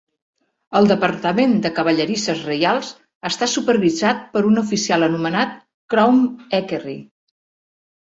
El Departament de Cavallerisses Reials està supervisat per un oficial anomenat Crown Equerry.